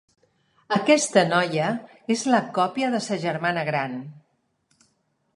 Aquesta noia és la còpia de sa germana gran.